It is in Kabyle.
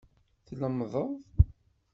Tlemdeḍ.